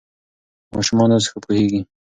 ماشومان اوس ښه پوهېږي.